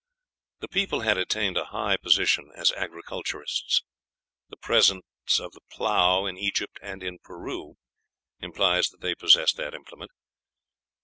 The people had attained a high position as agriculturists. The presence of the plough in Egypt and Peru implies that they possessed that implement.